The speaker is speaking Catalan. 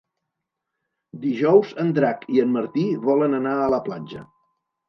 Dijous en Drac i en Martí volen anar a la platja.